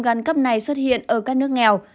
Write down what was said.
gan cấp này xuất hiện ở các nước nghèo